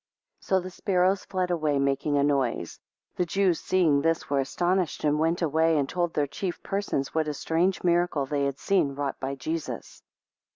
9 So the sparrows fled away making a noise. 10 The Jews seeing this, were astonished, and went away, and told their chief persons what a strange miracle they had seen wrought by Jesus.